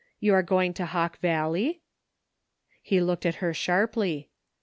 You are going to Hawk Valley ?" He looked at her sharply.